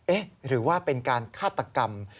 หรือว่าเป็นการฆาตกรรม